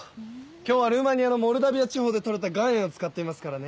今日はルーマニアのモルダビア地方で取れた岩塩を使っていますからね。